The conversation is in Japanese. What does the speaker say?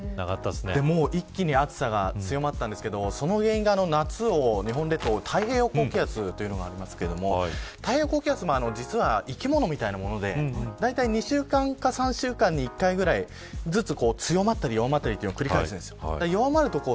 一気に暑さが強まったんですけどその原因が夏、日本列島を覆う太平洋高気圧がありますが生き物みたいなもので２週間か３週間に１回ぐらいずっと強まったり弱まったりを繰り返すんです。